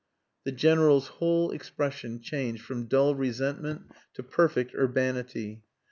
The General's whole expression changed from dull resentment to perfect urbanity.